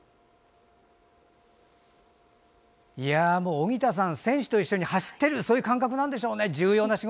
荻田さん選手と一緒に走ってるそういう感覚なんでしょうね。